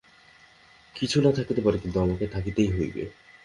কিছুই না থাকিতে পারে, কিন্তু আমাকে থাকিতেই হইবে।